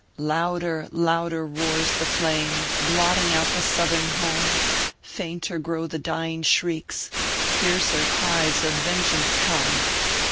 "Louder, louder roars the flame, Blotting out the Southern home, Fainter grow the dying shrieks, Fiercer cries of vengeance come.